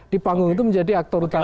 di panggung itu menjadi aktor utama